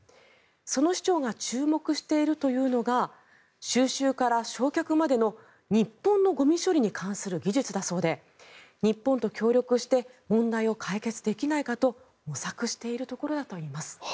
その市長が注目しているというのが収集から焼却までの日本のゴミ処理に関する技術だそうで日本と協力して問題を解決できないかと模索しているところだといいます。